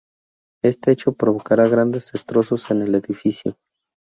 Este hecho provocará grandes destrozos en el edificio.